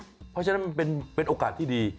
เพราะฉะนั้นมันเป็นโอกาสที่ดี